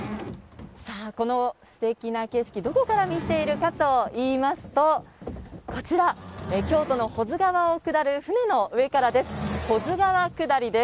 このすてきな景色、どこから見ているかといいますとこちら、京都の保津川を下る船の上からです。